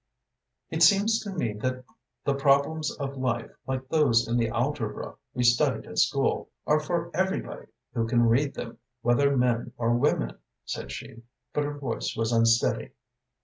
"It seems to me that the problems of life, like those in the algebra we studied at school, are for everybody who can read them, whether men or women," said she, but her voice was unsteady.